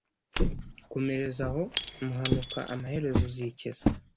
komerezaho muhanuka amaherezo uzikiza